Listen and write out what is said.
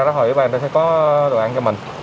rồi với bà anh ta sẽ có đồ ăn cho mình